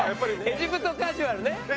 エジプトカジュアルね。